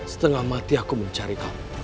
setengah mati aku mencari kamu